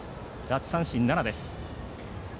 奪三振７です。